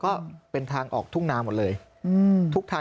มันเป็นแบบที่สุดท้าย